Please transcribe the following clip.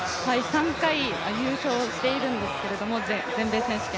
３回優勝しているんですけれども、全米選手権。